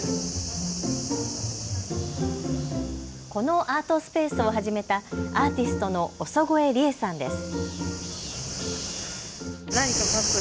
このアートスペースを始めたアーティストの尾曽越理恵さんです。